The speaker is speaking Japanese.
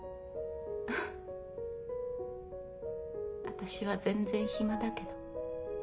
私は全然暇だけど。